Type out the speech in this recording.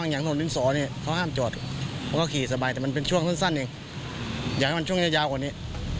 อยากให้มันช่วงยาวกว่านี้